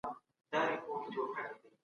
خپل پام په درس باندې وساته.